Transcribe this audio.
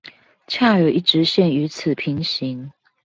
恰有一直線與此平行